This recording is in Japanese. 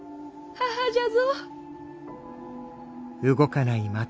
母じゃぞ。